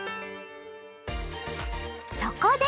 そこで！